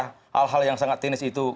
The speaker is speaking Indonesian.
hal hal yang sangat teknis itu